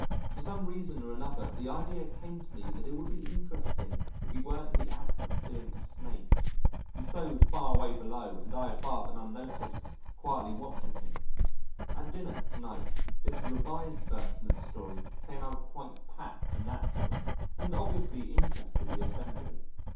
For some reason or another the idea came to me that it would be interesting if he were in the act of killing a Snake he so far away below and I above and unnoticed quietly watching him. At dinner to night, this revised version of the story came out quite pat and natural and obviously interested the assembly.